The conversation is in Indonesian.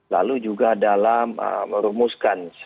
lalu juga dalam merumuskan